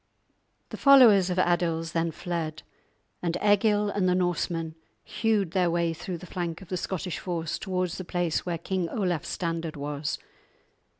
The followers of Adils then fled, and Egil and the Norsemen hewed their way through the flank of the Scottish force towards the place where King Olaf's standard was.